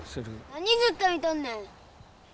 何ずっと見とんねん！